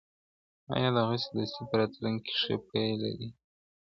ايا دغسي دوستي په راتلونکي کي ښې پايلي لري؟